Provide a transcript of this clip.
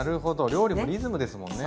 料理もリズムですもんね。